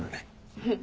うん。